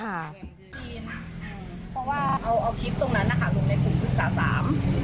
เพราะว่าเอาคลิปตรงนั้นนะคะส่วนในกลุ่มศึกษาสาม